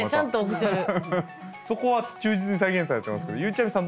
そこは忠実に再現されてますけどゆうちゃみさん